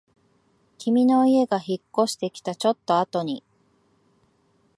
君の家が引っ越してきたちょっとあとに